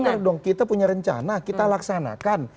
benar dong kita punya rencana kita laksanakan